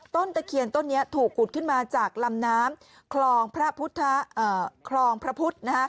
ตะเคียนต้นนี้ถูกขุดขึ้นมาจากลำน้ำคลองพระพุทธ